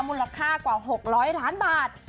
มูลค่ากว่า๖๐๐ล้านบาท